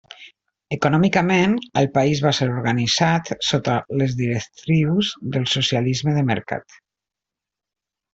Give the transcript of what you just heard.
Econòmicament el país va ser organitzat sota les directrius del socialisme de mercat.